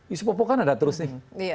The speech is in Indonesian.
isu popok kan ada terus nih